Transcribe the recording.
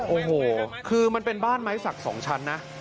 โอ้โหคือมันเป็นบ้านไม้สัก๒ชั้นนะ